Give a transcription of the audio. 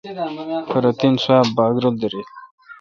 پرو تین سواب باگ رل دارل۔